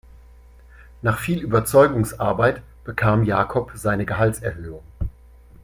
Nach viel Überzeugungsarbeit bekam Jakob seine Gehaltserhöhung.